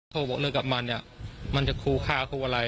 โทรบอกเรื่องกับมันมันจะขู่ฆ่าขู่อะไร